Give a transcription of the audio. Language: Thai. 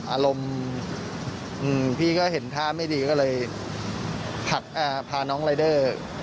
อารมณ์พี่ก็เห็นท่าไม่ดีก็เลยพาน้องรายเดอร์